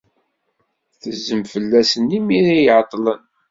Tezzem fell-asen imi ay ɛeḍḍlen.